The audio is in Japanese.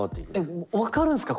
えっ分かるんすか？